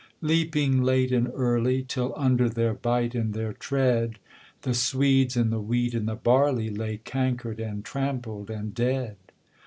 Leaping late and early, Till under their bite and their tread The swedes and the wheat and the barley Lay cankered and trampled and dead.